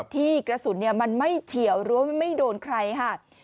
ที่กระสุนมันไม่เฉียวหรือว่าไม่โดนใครค่ะ